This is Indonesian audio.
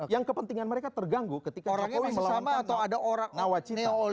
yang kepentingan mereka terganggu ketika jokowi melawan kata